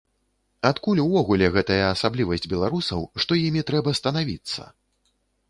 Адкуль увогуле гэтая асаблівасць беларусаў, што імі трэба станавіцца?